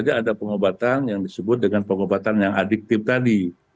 ada pengobatan yang disebut dengan pengobatan yang adiktif tadi